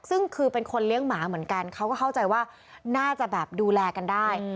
ซึ่งคือเป็นคนเลี้ยงหมาเหมือนกันเขาก็เข้าใจว่าน่าจะแบบดูแลกันได้